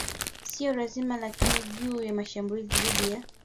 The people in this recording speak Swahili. siyo lazima Lakini juu ya mashambulizi dhidi ya